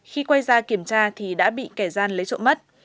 khi quay ra kiểm tra thì đã bị kẻ gian lấy trộm mất